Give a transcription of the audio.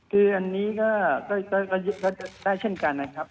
คืออันนี้ก็ยึดก็ได้เช่นกันนะครับ